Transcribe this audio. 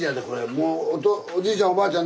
もうおじいちゃんおばあちゃん